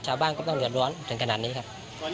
ชาวบ้านก็ต้องระดวนถึงขนาดนี้ครับ